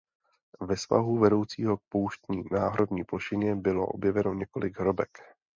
Ve svahu vedoucího k pouštní náhorní plošině bylo objeveno několik hrobek.